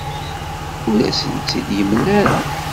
Ur asent-t-id-yemla ara.